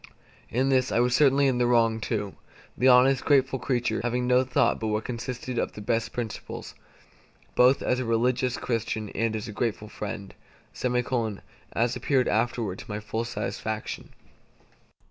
In this I was certainly in the wrong too, the honest, grateful creature having no thought but what consisted of the best principles, both as a religious Christian and as a grateful friend; as appeared afterward to my full satisfaction.